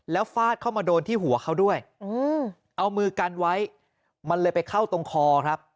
แล้วฟาดเข้ามาโดนที่หัวเขาด้วยเอามือกันไว้มันเลยไปเข้าตรงคอครับ